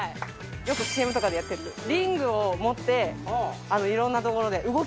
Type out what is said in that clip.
よくＣＭとかでやってるリングを持っていろんなところで動きながら。